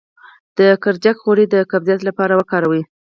د کرچک غوړي د قبضیت لپاره وکاروئ